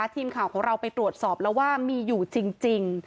ทีมข่าวของเราไปตรวจสอบแล้วว่ามีอยู่จริง